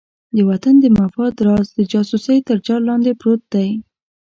د وطن د مفاد راز د جاسوسۍ تر جال لاندې پروت دی.